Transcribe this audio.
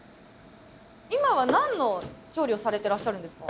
今は何の調理をされてらっしゃるんですか？